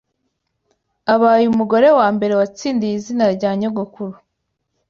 abaye umugore wa mbere watsindiye izina rya nyogokuru